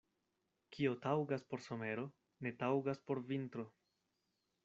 Kio taŭgas por somero, ne taŭgas por vintro.